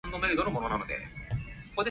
一盤